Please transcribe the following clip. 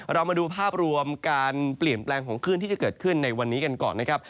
เรามาดูภาพรวมการเปลี่ยนแปลงของคลื่นที่จะเกิดขึ้นในวันนี้กันก่อนนะครับ